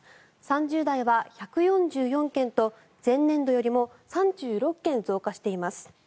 ３０代は１４４件と前年度よりも３６件増加しています。